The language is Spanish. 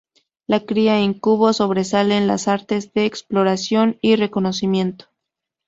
La Cría Incubus sobresale en las artes de exploración y reconocimiento.